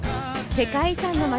世界遺産の街